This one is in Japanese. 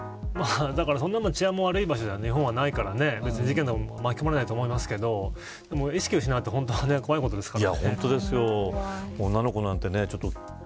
だから、そんな治安の悪い街じゃ日本はないから事件とか巻き込まれないと思いますけど意識を失うって怖いことですからね。